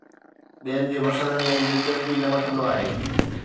ٻين جي مسئلن ۾ دلچسپي نه وٺندو آهي